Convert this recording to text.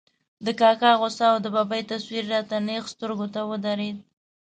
د کاکا غوسه او د ببۍ تصویر را ته نېغ سترګو ته ودرېد.